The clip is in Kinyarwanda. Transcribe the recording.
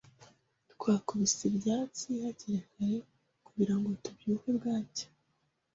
Twakubise ibyatsi hakiri kare kugirango tubyuke bwacya